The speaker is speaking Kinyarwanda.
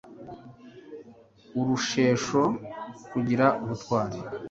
urusheho kugira ubutwari